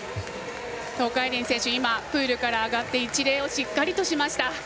東海林選手、今プールから上がって一礼をしっかりしました。